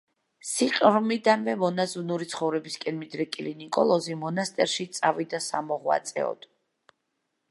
სიყრმიდანვე მონაზვნური ცხოვრებისკენ მიდრეკილი ნიკოლოზი მონასტერში წავიდა სამოღვაწეოდ.